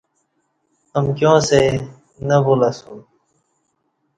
امکیاں سئ نہ بولہ اسوم